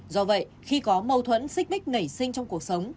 do vậy khi có mâu thuẫn xích bích ngày sinh trong cuộc sống